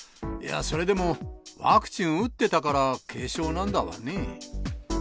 いや、それでもワクチン打ってたから軽症なんだわね。